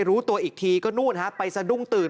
รู้ตัวอีกทีก็นู่นฮะไปสะดุ้งตื่น